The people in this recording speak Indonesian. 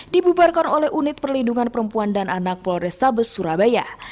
dibubarkan oleh unit perlindungan perempuan dan anak polrestabes surabaya